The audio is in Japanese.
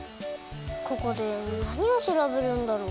ここでなにをしらべるんだろう？